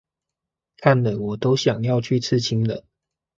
看了我都想要去刺青了